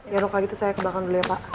ya dong kak gitu saya ke belakang dulu ya pak